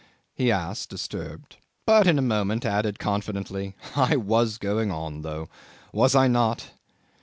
he asked, disturbed; but in a moment added confidently, "I was going on though. Was I not?"